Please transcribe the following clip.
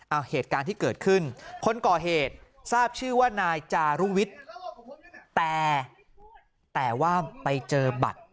เอาเหตุการณ์ที่เกิดขึ้นคนก่อเหตุทราบชื่อว่านายจารุวิทย์แต่แต่ว่าไปเจอบัตร